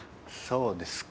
そうですか。